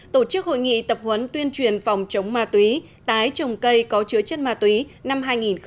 tổ chức hội nghị tập huấn tuyên truyền phòng chống ma túy tái trồng cây có chứa chất ma túy năm hai nghìn một mươi chín